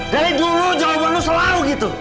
dari dulu jawaban lo selalu gitu